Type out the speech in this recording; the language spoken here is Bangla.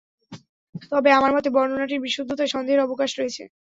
তবে আমার মতে, বর্ণনাটির বিশুদ্ধতায় সন্দেহের অবকাশ রয়েছে।